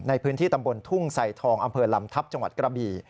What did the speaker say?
ในพื้นที่ตำบลทุ่งไซทองอำเภอลำทัพจังหวัดกระบี่